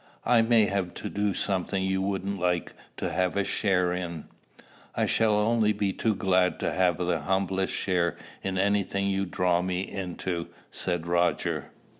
I may have to do something you wouldn't like to have a share in." "I shall be only too glad to have the humblest share in any thing you draw me into," said Roger.